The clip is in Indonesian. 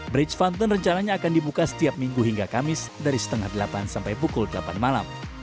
bridge fountain rencananya akan dibuka setiap minggu hingga kamis dari setengah delapan sampai pukul delapan malam